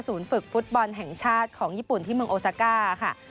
ฝึกฟุตบอลแห่งชาติของญี่ปุ่นที่เมืองโอซาก้าค่ะ